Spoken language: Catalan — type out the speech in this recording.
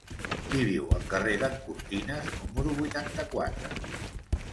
Qui viu al carrer d'en Cortines número vuitanta-quatre?